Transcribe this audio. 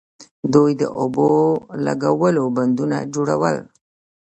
دوی د اوبو لګولو بندونه جوړول